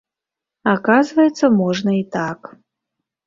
Аказваецца, можна і так.